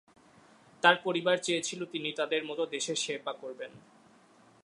তার পরিবার চেয়েছিল তিনি তাদের মতো দেশের সেবা করবেন।